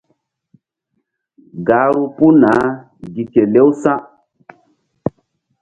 Gahru puh naah gi kelew sa̧.